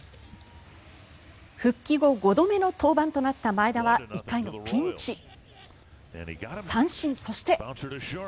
復帰後、５度目の登板となった前田は１回のピンチ三振、そして。